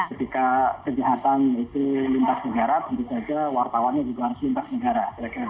ketika kejahatan itu lintas negara tentu saja wartawannya juga harus lintas negara